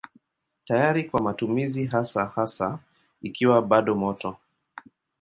Tayari kwa matumizi hasa hasa ikiwa bado moto.